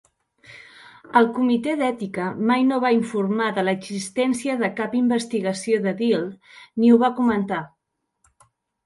El comitè d'ètica mai no va informar de l'existència de cap investigació de Deal ni ho va comentar.